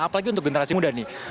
apalagi untuk generasi muda nih